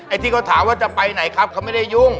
ที่เขาถามว่าจะไปไหนครับเขาไม่ได้ยุ่ง